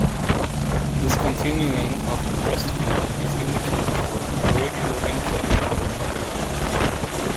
Discontinuing of breast-feeding is indicated for regular intake by the mother.